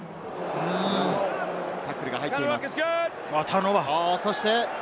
タックルが入っています。